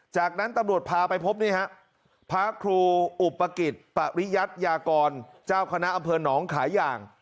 จากนั้นตำรวจพาไปพบนี่ฮะพระครูอุปกิจปริยัตยากรเจ้าคณะอำเภอหนองขาย่าง